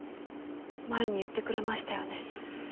前に言ってくれましたよね。